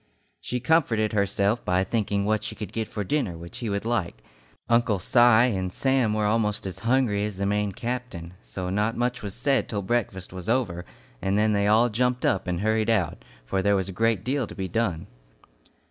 She comforted herself by thinking what she could get for dinner which he would like. Uncle Si and Sam were almost as hungry as the Maine captain, so not much was said till breakfast was over, and then they all jumped up and hurried out, for there was a deal to be done.